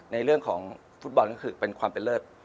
ในเรื่องของฟุตบอลก็คือเป็นความเป็นเลิศ